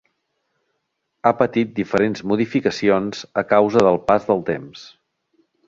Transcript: Ha patit diferents modificacions a causa del pas del temps.